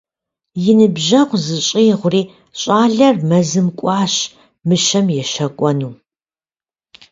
И ныбжьэгъу зыщӏигъури, щӏалэр мэзым кӏуащ мыщэм ещэкӏуэну.